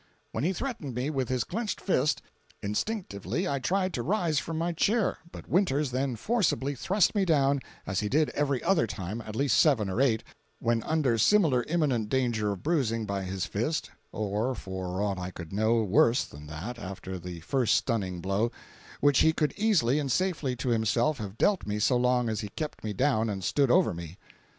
When he threatened me with his clenched fist, instinctively I tried to rise from my chair, but Winters then forcibly thrust me down, as he did every other time (at least seven or eight), when under similar imminent danger of bruising by his fist (or for aught I could know worse than that after the first stunning blow), which he could easily and safely to himself have dealt me so long as he kept me down and stood over me.